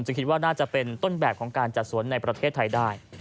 คิดว่าน่าจะเป็นต้นแบบของการจัดสวนในประเทศไทยได้